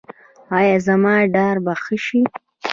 ایا زما ډار به ښه شي؟